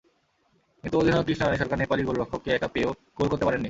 কিন্তু অধিনায়ক কৃষ্ণা রানি সরকার নেপালি গোলরক্ষককে একা পেয়েও গোল করতে পারেননি।